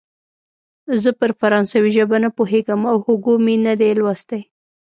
زه پر فرانسوي ژبه نه پوهېږم او هوګو مې نه دی لوستی.